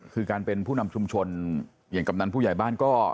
คือการเป็นผู้นำชุมชนอย่างกำนันผู้ใหญ่บ้านก็